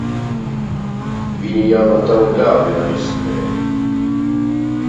Viņi jau no tava bļāviena aizskrēja.